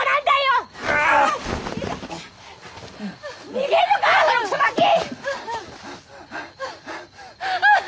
逃げんのかこのクソガキ！